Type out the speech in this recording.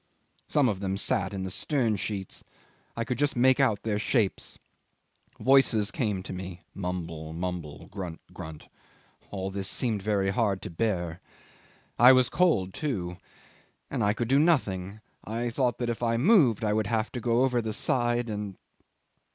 Some of them sat in the stern sheets. I could just make out their shapes. Voices came to me, mumble, mumble, grunt, grunt. All this seemed very hard to bear. I was cold too. And I could do nothing. I thought that if I moved I would have to go over the side and